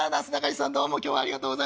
どうも今日はありがとうございます」。